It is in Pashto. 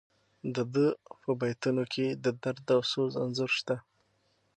د ده په بیتونو کې د درد او سوز انځور شته.